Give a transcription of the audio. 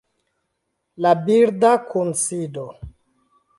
La birda kunsido